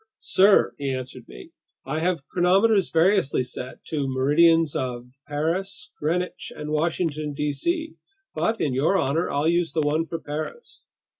"Sir," he answered me, "I have chronometers variously set to the meridians of Paris, Greenwich, and Washington, D.C. But in your honor, I'll use the one for Paris."